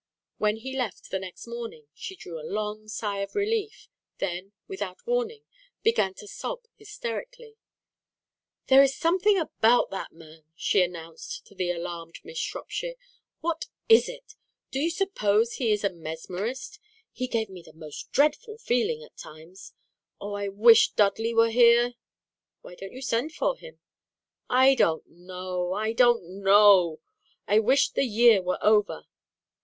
When he left, the next morning, she drew a long sigh of relief, then, without warning, began to sob hysterically. "There is something about that man!" she announced to the alarmed Miss Shropshire. "What is it? Do you suppose he is a mesmerist? He gave me the most dreadful feeling at times. Oh, I wish Dudley were here!" "Why don't you send for him?" "I don't know! I don't know! I wish the year were over!"